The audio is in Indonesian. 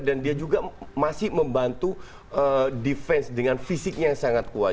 dan dia juga masih membantu defense dengan fisiknya yang sangat kuat